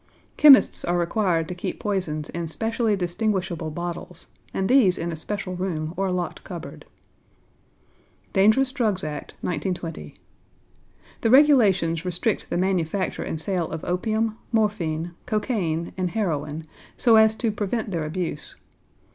Chemists are required to keep poisons in specially distinguishable bottles, and these in a special room or locked cupboard. =Dangerous Drugs Act, 1920.= The regulations restrict the manufacture and sale of opium, morphine, cocaine, and heroin so as to prevent their abuse.